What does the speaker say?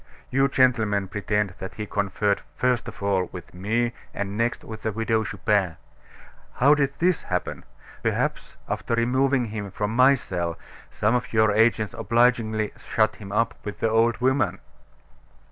You gentlemen pretend that he conferred first of all with me, and next with the Widow Chupin. How did that happen? Perhaps after removing him from my cell, some of your agents obligingly shut him up with the old woman."